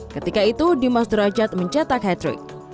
ketika itu dimas derajat mencetak hat trick